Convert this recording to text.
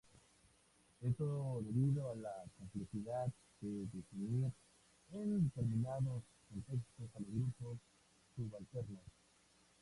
Esto debido a la complejidad de definir en determinados contextos a los grupos subalternos.